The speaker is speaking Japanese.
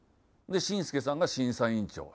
で紳助さんが審査委員長。